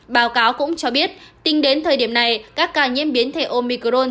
báo cáo cũng cho biết tính đến thời điểm này các ca nhiễm biến thể omicron